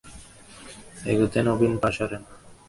এগোতে নবীনের পা সরে না।